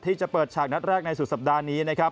ที่จะเปิดฉากนัดแรกในสุดสัปดาห์นี้นะครับ